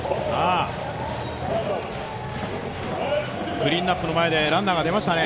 クリーンナップの前でランナーが出ましたね。